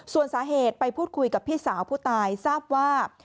ส่วนสาเหตุไปพูดคุยกับพี่สาวผู้ตายทราบว่า